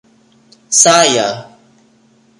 Saia!